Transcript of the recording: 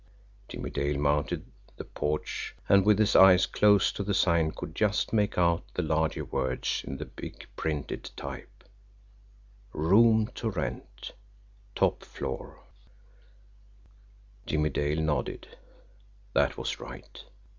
Jimmie Dale mounted the porch, and with his eyes close to the sign could just make out the larger words in the big printed type: ROOM TO RENT TOP FLOOR Jimmie Dale nodded. That was right.